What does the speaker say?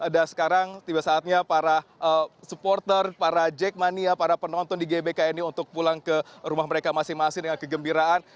dan sekarang tiba saatnya para supporter para jackmania para penonton di gbkn ini untuk pulang ke rumah mereka masing masing dengan kegembiraan